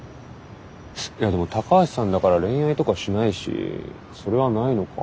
いやでも高橋さんだから恋愛とかしないしそれはないのか。